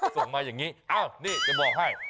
ส่งมาอย่างนี้อ้าวนี่จะบอกให้